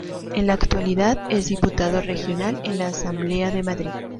En la actualidad es diputado regional en la Asamblea de Madrid.